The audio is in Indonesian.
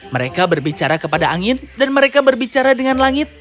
mereka berbicara kepada angin dan mereka berbicara dengan langit